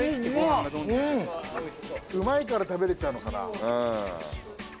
うまいから食べれちゃうのかな。